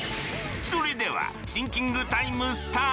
それではシンキングタイムスタート！